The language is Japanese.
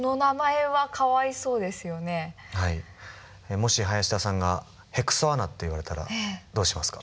もし林田さんがヘクソアナって言われたらどうしますか？